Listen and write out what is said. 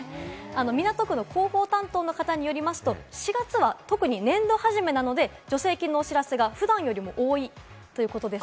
港区の広報担当の方によりますと４月は特に年度初めなので、助成金のお知らせが普段より多いということです。